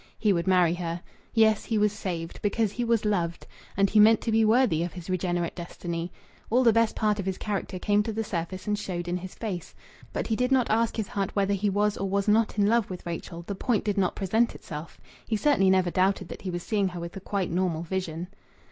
He would marry her. Yes, he was saved, because he was loved. And he meant to be worthy of his regenerate destiny. All the best part of his character came to the surface and showed in his face. But he did not ask his heart whether he was or was not in love with Rachel. The point did not present itself. He certainly never doubted that he was seeing her with a quite normal vision.